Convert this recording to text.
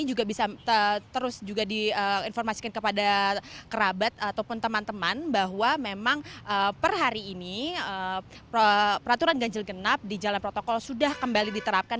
ini juga bisa terus juga diinformasikan kepada kerabat ataupun teman teman bahwa memang per hari ini peraturan ganjil genap di jalan protokol sudah kembali diterapkan